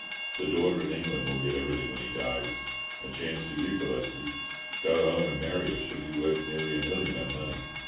The daughter in England will get everything when he dies. A chance for you, Gillespie. Go home and marry her—she'll be worth nearly a million of money."